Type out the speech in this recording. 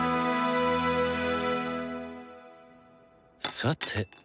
さて。